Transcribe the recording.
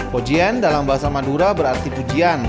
pujian dalam bahasa madura berarti pujian